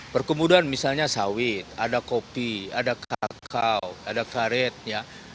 perkebunan misalnya sawit ada kopi ada kakao ada karet ya